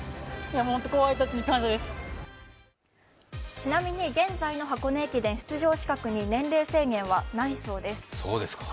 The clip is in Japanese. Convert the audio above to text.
ちなみに現在の箱根駅伝出場資格に年齢制限はないそうです。